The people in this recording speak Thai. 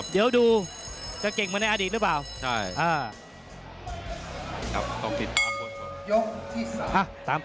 เดี๋ยวดูจะเก่งมาในอดีตหรือเปล่าพี่ป่าต้องกินทางบน